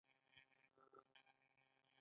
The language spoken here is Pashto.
آیا سیندونه به و بهیږي؟